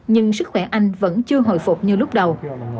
nhưng sức khỏe anh vẫn chưa hồi phục như lúc đầu